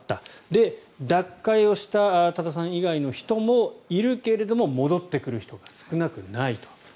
で、脱会をした多田さん以外の人もいるけれども戻ってくる人が少なくないと。